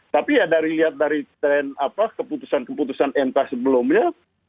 tapi ya dari lihat dari tren apa keputusan keputusan mk sebelumnya